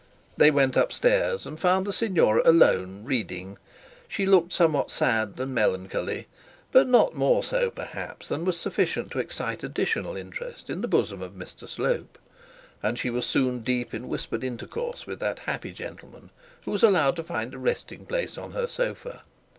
They went up stairs, and found the signora alone, reading. She looked somewhat sad and melancholy, but not more so perhaps than was sufficient to excite additional interest in the bosom of Mr Slope; and she was soon deep in whispered intercourse with that happy gentleman, who was allowed to find a resting place on her sofa.